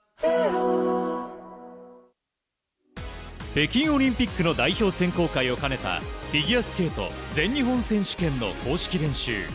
北京オリンピックの代表選考会を兼ねたフィギュアスケート全日本選手権の公式練習。